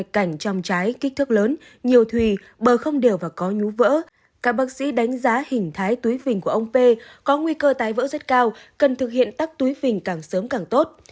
các bác sĩ đã đánh giá hình thái túi phình của ông pe có nguy cơ tái vỡ rất cao cần thực hiện tắc túi phình càng sớm càng tốt